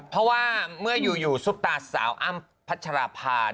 เพราะว่าเมื่ออยู่ซุปตาสาวอ้ำพัชราภา